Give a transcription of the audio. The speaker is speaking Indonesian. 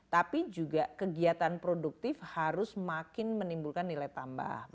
tapi juga kegiatan produktif harus makin menimbulkan nilai tambah